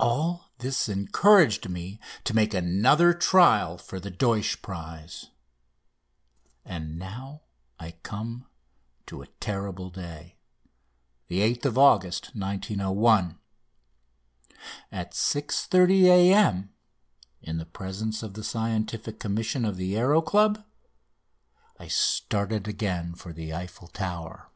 All this encouraged me to make another trial for the Deutsch prize. And now I come to a terrible day 8th August 1901. At 6.30 A.M., in presence of the Scientific Commission of the Aéro Club, I started again for the Eiffel Tower.